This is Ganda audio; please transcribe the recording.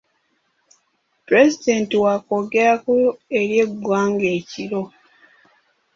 Pulezidenti wakwogerako eri eggwanga ekiro.